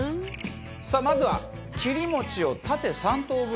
さあまずは切り餅を縦３等分にカット。